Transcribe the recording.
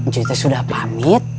juti sudah pamit